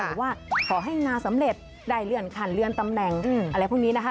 หรือว่าขอให้งานสำเร็จได้เรื่องขันเรื่องตำแหน่งอะไรพวกนี้นะคะ